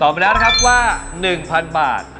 ไปแล้วนะครับว่า๑๐๐๐บาท